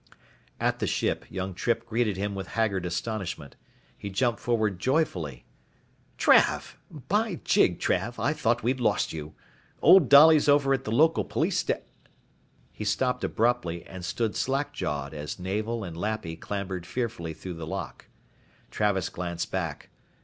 At the ship young Trippe greeted him with haggard astonishment. He jumped forward joyfully. "Trav! By jig, Trav, I thought we'd lost you. Old Dolly's over at the local police sta " He stopped abruptly and stood slack jawed as Navel and Lappy clambered fearfully through the lock. Travis glanced back.